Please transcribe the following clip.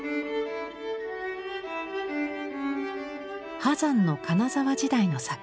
波山の金沢時代の作品。